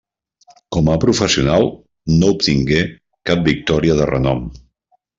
Com a professional no obtingué cap victòria de renom.